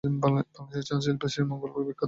বাংলাদেশের চা শিল্পের জন্য শ্রীমঙ্গল বিখ্যাত।